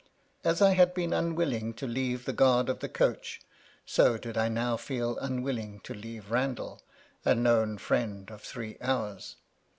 As I had been unwilling to leave the guard of the coach, so did I now feel unwilling to leave Banzai, a known friend of three hours.